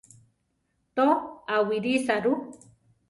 To, awírisa ru.